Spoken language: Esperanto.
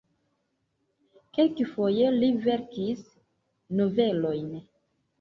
Kelkfoje li verkis novelojn.